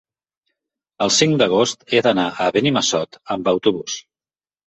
El cinc d'agost he d'anar a Benimassot amb autobús.